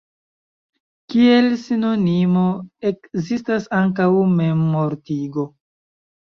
Kiel sinonimo ekzistas ankaŭ "memmortigo".